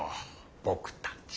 僕たち。